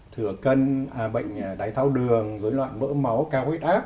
thửa cân bệnh đáy tháo đường rối loạn mỡ máu cao huyết áp